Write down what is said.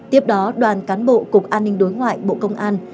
tiếp đó đoàn cán bộ cục an ninh đối ngoại bộ công an